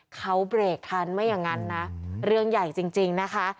เขาเบรกทันไม่อย่างนั้นนะเรื่องใหญ่จริงนะคะ